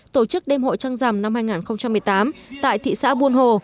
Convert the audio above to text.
tổ chức đêm hội trăng rằm năm hai nghìn một mươi tám tại thị xã buôn hồ